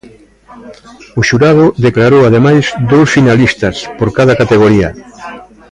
O xurado declarou ademais dous finalistas por cada categoría.